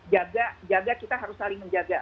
jaga jaga kita harus saling menjaga